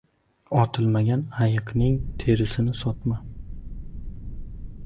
• Otilmagan ayiqning terisini sotma.